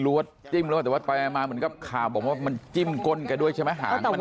ว่าจิ้มหรือเปล่าแต่ว่าไปมาเหมือนกับข่าวบอกว่ามันจิ้มก้นแกด้วยใช่ไหมหางมัน